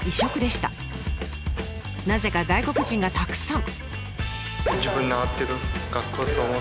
なぜか外国人がたくさん。